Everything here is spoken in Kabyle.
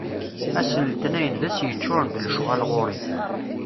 Ass n letnayen d ass yeččuṛen d lecɣal ɣur-i.